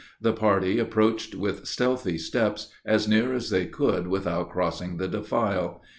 The party approached with stealthy steps, as near as they could without crossing the defile.